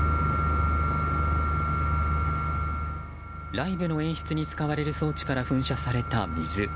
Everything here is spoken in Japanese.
ライブの演出に使われる装置から噴射された水。